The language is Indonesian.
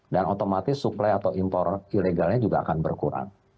dan otomatis suplai atau impor ilegalnya juga akan berkurang